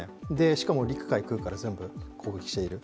しかも陸海空から全部攻撃している。